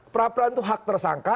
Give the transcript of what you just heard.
peradilan itu hak tersangka